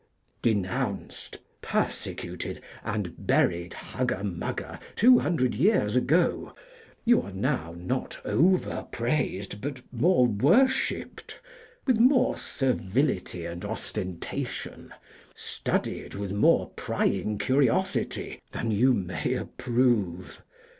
Denounced, persecuted, and buried hugger mugger two hundred years ago, you are now not over praised, but more worshipped, with more servility and ostentation, studied with more prying curiosity than you may approve.